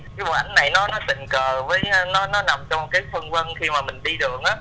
cái bộ ảnh này nó tình cờ với nó nằm trong cái phân quân khi mà mình đi đường á